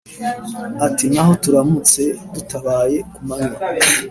Ati “Naho turamutse dutabaye ku manywa